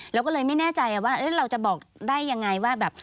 เราก็เลยไม่แน่ใจว่าเราจะบอกได้ยังไงว่าแบบ